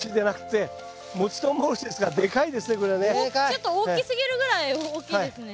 ちょっと大きすぎるぐらい大きいですね。